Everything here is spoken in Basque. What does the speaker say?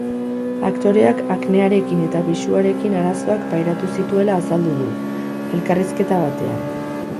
Aktoreak aknearekin eta pisuarekin arazoak pairatu zituela azaldu du, elkarrizketa batean.